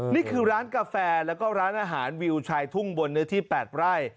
นี่คือร้านกาแฟแล้วก็ร้านอาหารวิวชายทุ่งบนเนื้อที่๘ไร่